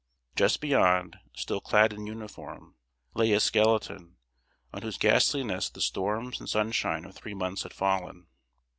Just beyond, still clad in uniform, lay a skeleton, on whose ghastliness the storms and sunshine of three months had fallen.